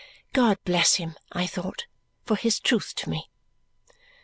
"God bless him," I thought, "for his truth to me!"